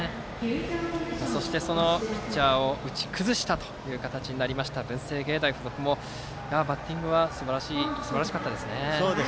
そして、そのピッチャーを打ち崩した形になった文星芸大付属もバッティングはすばらしかったですね。